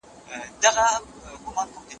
ژوند بس تر هغه وخته ژوند گڼم دروېشه چې زه